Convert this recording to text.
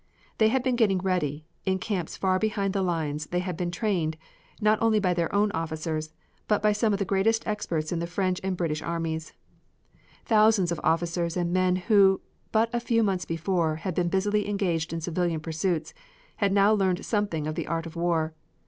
They had been getting ready; in camps far behind the lines they had been trained, not only by their own officers, but by some of the greatest experts in the French and the British armies. Thousands of officers and men who, but a few months before, had been busily engaged in civilian pursuits, had now learned something of the art of war.